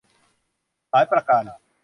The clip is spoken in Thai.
หลายประการ